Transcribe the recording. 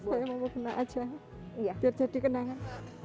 saya mau kena aja biar jadi kenangan